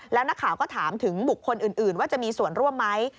แล้วนักข่าวก็ถามถึงบุคคลอื่นว่าจะมีส่วนร่วมไหม